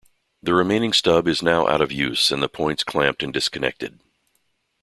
The remaining stub is now out of use and the points clamped and disconnected.